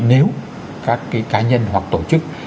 nếu các cái cá nhân hoặc tổ chức